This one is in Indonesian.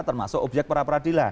termasuk obyek peraperdidikan